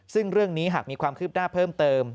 ซึ่งเรื่องนี้หากมีความคืบหน้าเพิ่มเติม